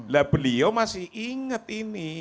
lah beliau masih ingat ini